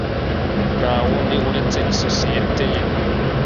Ntawundi uretse isosiyete ye